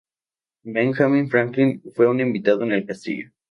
Benjamin Franklin fue un invitado en el castillo.